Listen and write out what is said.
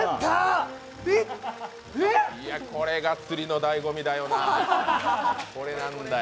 これが釣りのだいご味だよな、これなんだよ。